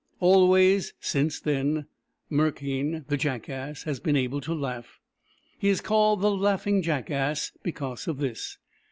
Always since then, Merkein, the Jackass, has been able to laugh. He is called the Laughing Jackass, because of this.